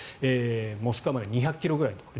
モスクワまで２００ｋｍぐらいのところ。